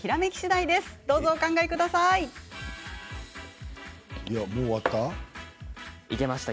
いや、もう終わった？